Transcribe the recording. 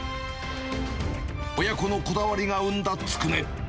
親子のこだわりが生んだつくね。